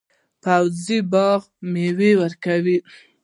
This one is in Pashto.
پوخ باغ میوه ورکوي